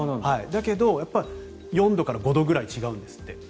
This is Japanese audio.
だけど４度から５度くらい違うんですって。